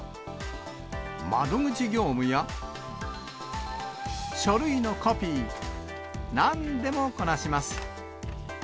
窓口業務や、書類のコピー、なんでもこなします。